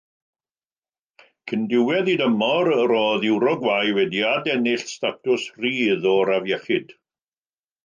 Cyn diwedd ei dymor, roedd Uruguay wedi adennill statws rhydd o'r afiechyd.